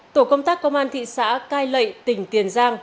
tổ công tác công an thị xã cai lệ tỉnh tiền giang